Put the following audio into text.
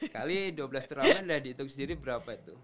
kali dua belas turnamen sudah dihitung sendiri berapa itu